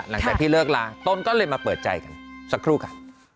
หลังจากพี่เลิกลาต้นก็เลยมาเปิดใจกันสักครู่ค่ะ